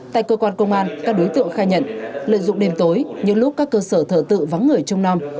tại cơ quan công an các đối tượng khai nhận lợi dụng đêm tối những lúc các cơ sở thờ tự vắng người trong năm